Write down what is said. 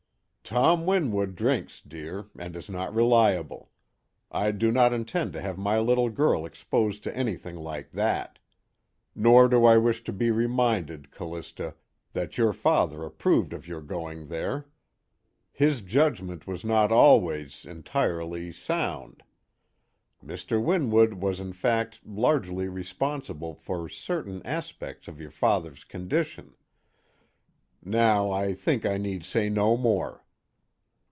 "Tom Winwood drinks, dear, and is not reliable. I do not intend to have My Little Girl exposed to Anything Like That. Nor do I wish to be reminded, Callista, that your father approved of your going there. His judgment was not always entirely sound. Mr. Winwood was in fact largely responsible for certain aspects of your father's Condition. Now I think I need say no more."